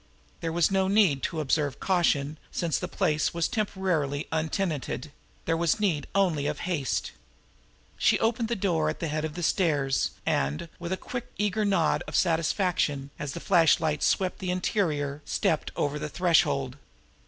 There was no need to observe caution since the place was temporarily untenanted; there was need only of haste. She opened the door at the head of the stairs, and, with a quick, eager nod of satisfaction, as the flashlight swept the interior, stepped over the threshold.